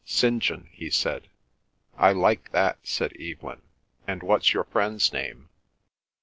"St. John," he said. "I like that," said Evelyn. "And what's your friend's name?"